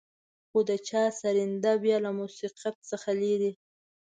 خو د چا سرېنده بيا له موسيقيت څخه لېرې.